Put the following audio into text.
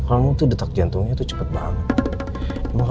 lo detak jantungnya cepet banget